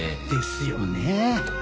ですよね。